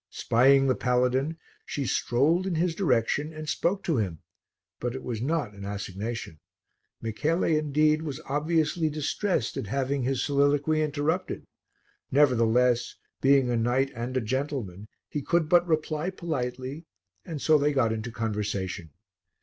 Spying the paladin, she strolled in his direction and spoke to him, but it was not an assignation; Michele, indeed, was obviously distressed at having his soliloquy interrupted; nevertheless, being a knight and a gentleman, he could but reply politely, and so they got into conversation.